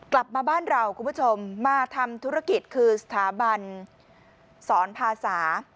กลับมาบ้านเราคุณผู้ชมมาทำธุรกิจคือสถาบันสอนภาษา